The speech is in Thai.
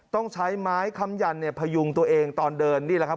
ต้องใช้ไม้ค้ำยันเนี่ยพยุงตัวเองตอนเดินนี่แหละครับ